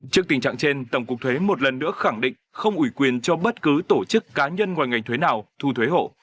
trước tình trạng trên tổng cục thuế một lần nữa khẳng định không ủy quyền cho bất cứ tổ chức cá nhân ngoài ngành thuế nào thu thuế hộ